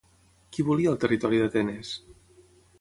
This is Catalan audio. Qui volia el territori d'Atenes?